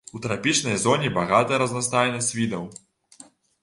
У трапічнай зоне багатая разнастайнасць відаў.